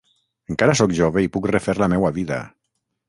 Encara sóc jove i puc refer la meua vida.